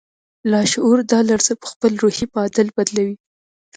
لاشعور دا لړزه پهخپل روحي معادل بدلوي